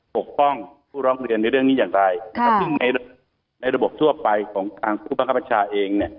ปกป้องผู้ร้องเรียนในเรื่องนี้อย่างไรนะครับซึ่งในระบบทั่วไปของทางผู้บังคับบัญชาเองเนี่ย